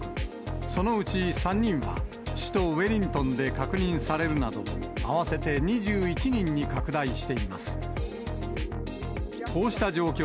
そのうち３人は、首都ウェリントンで確認されるなど、合わせて２１人に拡大しています。